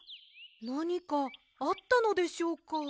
なにかあったのでしょうか？